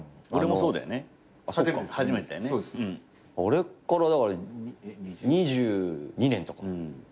あれからだから２２年とか？